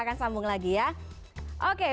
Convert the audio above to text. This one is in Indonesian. akan sambung lagi ya oke